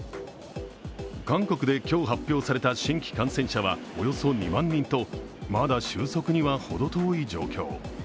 韓国で今日発表された新規感染者はおよそ２万人とまだ収束にはほど遠い状況。